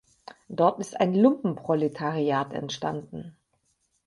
Dort ist ein Lumpenproletariat entstanden.